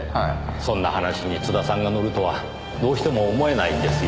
そんな話に津田さんがのるとはどうしても思えないんですよ。